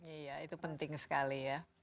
iya itu penting sekali ya